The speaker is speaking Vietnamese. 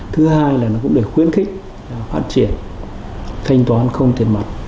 thứ hai là nó cũng để khuyến khích phát triển thanh toán không tiền mặt